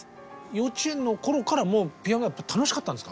幼稚園の頃からもうピアノは楽しかったんですか？